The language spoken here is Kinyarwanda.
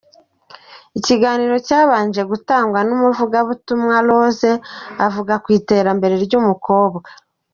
Ikiganiro cyabanje gutangwa n'umuvugabutumwa Rose, avuga ku iterambere ry'umukobwa.